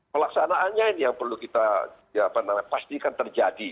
pelaksanaannya ini yang perlu kita pastikan terjadi